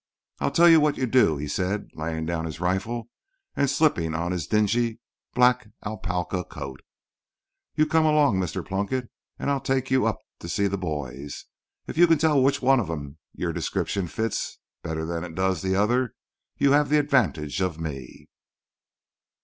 "I'll tell you what you do," he said, laying down his rifle and slipping on his dingy black alpaca coat. "You come along, Mr. Plunkett, and I'll take you up to see the boys. If you can tell which one of 'em your description fits better than it does the other you have the advantage of me."